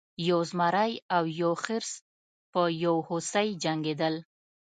یو زمری او یو خرس په یو هوسۍ جنګیدل.